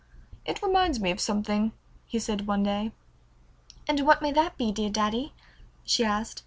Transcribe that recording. "It reminds me of something," he said one day. "And what may that be, dear Daddy?" she asked.